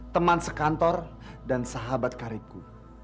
teman sekantor dan sahabat kariku